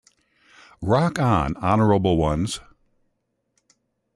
Rock On Honorable Ones!!